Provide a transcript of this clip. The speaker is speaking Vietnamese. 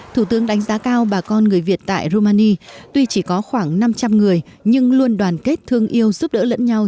thủ tướng đánh giá cao bà con người việt tại rumani tuy chỉ có khoảng năm trăm linh người nhưng luôn đoàn kết thương yêu giúp đỡ lẫn nhau